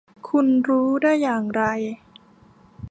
คุณรู้ได้อย่างไร ?